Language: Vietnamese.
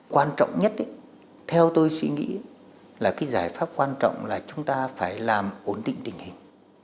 quan trọng nhất theo tôi suy nghĩ là cái giải pháp quan trọng là chúng ta phải làm ổn định tình hình